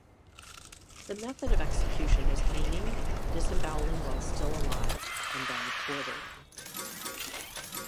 The method of execution was hanging, disembowelling while still alive and then quartering.